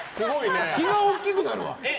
気が大きくなるわ。